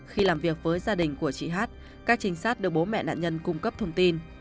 khi làm việc với gia đình của chị hát các trinh sát được bố mẹ nạn nhân cung cấp thông tin